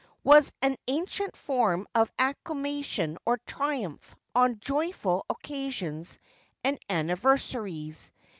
was an ancient form of acclamation or triumph on joyful occasions and anniversaries.